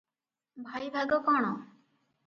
ଭାଇ ଭାଗ କଣ?